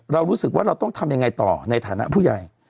เรารู้สึกว่าเราต้องทำยังไงต่อในฐานะผู้ใหญ่